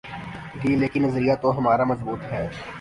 گی لیکن نظریہ تو ہمارا مضبوط ہے۔